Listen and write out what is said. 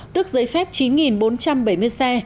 tức giấy phép chín bốn trăm bảy mươi xe